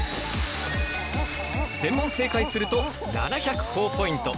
全問正解すると７００ほぉポイント。